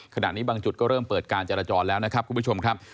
ขณะนี้บางจุดก็เริ่มเปิดการจราจรแล้วนะครับคุณผู้ชมครับ